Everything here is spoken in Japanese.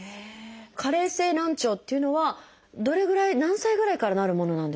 加齢性難聴っていうのはどれぐらい何歳ぐらいからなるものなんですか？